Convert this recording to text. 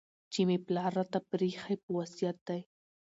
چي مي پلار راته پرې ایښی په وصیت دی